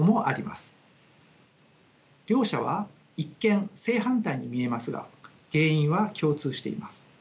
両者は一見正反対に見えますが原因は共通しています。